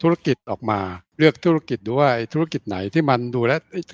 ฦุรกิจออกมาเลือกธุรกิจด้วยธุรกิจไหนที่มันดูแล